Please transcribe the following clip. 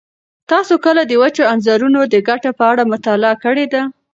تاسو کله د وچو انځرونو د ګټو په اړه مطالعه کړې ده؟